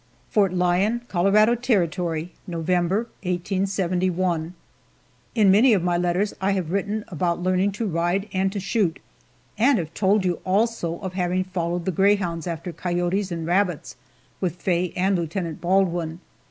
FORT LYON, COLORADO TERRITORY, November, 1871. IN many of my letters I have written about learning to ride and to shoot, and have told you, also, of having followed the greyhounds after coyotes and rabbits with Faye and Lieutenant Baldwin.